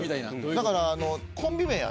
だから。